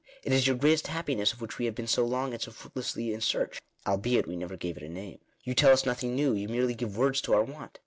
It is your 'greatest happiness' of which we have been so long and so fruitlessly in search; albeit we never gave it a name. You tell us nothing new; you merely give words to our want.